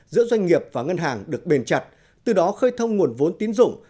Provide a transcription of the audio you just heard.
giữa doanh nghiệp và ngân hàng được bền chặt từ đó khơi thông nguồn vốn tín dụng